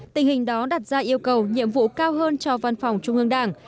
tình hình đó đặt ra yêu cầu nhiệm vụ cao hơn cho văn phòng trung ương đảng